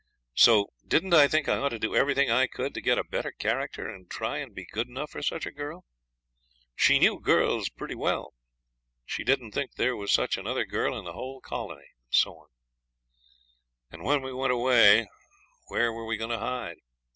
So didn't I think I ought to do everything I could to get a better character, and try and be good enough for such a girl? She knew girls pretty well. She didn't think there was such another girl in the whole colony, and so on. And when we went away where were we going to hide?